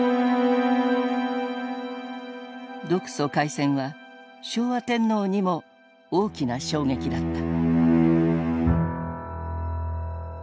独ソ開戦は昭和天皇にも大きな衝撃だった。